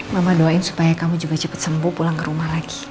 mama doain supaya kamu juga cepet sembuh pulang ke rumah lagi